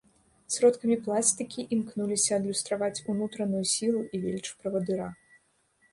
Сродкамі пластыкі імкнуліся адлюстраваць унутраную сілу і веліч правадыра.